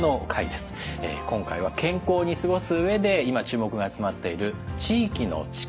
今回は健康に過ごす上で今注目が集まっている「地域の力」。